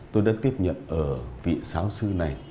tôi đã tiếp nhận ở vị sáo sư này